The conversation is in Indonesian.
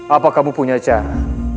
apa kamu punya cara